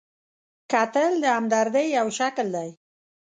کتل د همدردۍ یو شکل دی